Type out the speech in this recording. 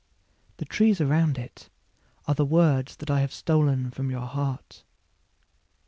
The trees around itAre words that I have stolen from your heart.